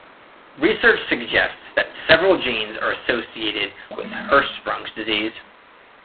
Research suggests that several genes are associated with Hirschsprung's disease.